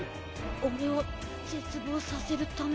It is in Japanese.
俺を絶望させるため。